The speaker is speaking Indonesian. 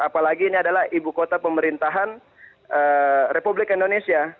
apalagi ini adalah ibu kota pemerintahan republik indonesia